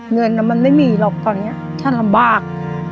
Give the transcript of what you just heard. เงินมันไม่มีหรอกตอนนี้ฉันลำบาก